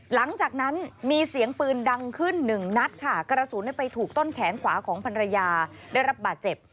หลังจากนั้นมีเสียงปืนดังขึ้นหนึ่งนัดค่ะกระสุนไปถูกต้นแขนขวาของพันรยาได้รับบาดเจ็บ